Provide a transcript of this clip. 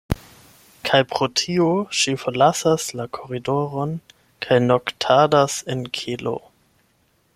Kaj pro tio ŝi forlasas la koridoron kaj noktadas en kelo.